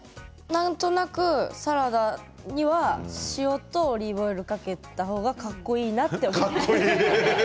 なんとなくサラダには塩とオリーブオイルをかけた方がかっこいいなと思っています。